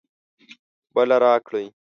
بله راکړئ